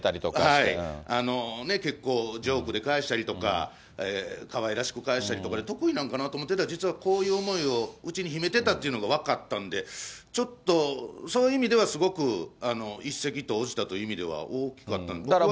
結構、ジョークで返したりとか、かわいらしく返したりとか、得意なんかなと思ってたら、実は、こういう思いを内に秘めてたっていうのが分かったんで、ちょっとそういう意味ではすごく一石投じたという意味では、大きかった、これはいいことだと。